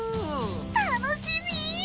楽しみ！